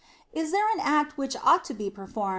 Is there an act which ought to be performed *S.